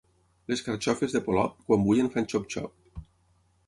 Les carxofes de Polop, quan bullen fan xop-xop.